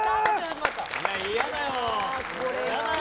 嫌だよ。